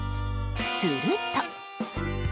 すると。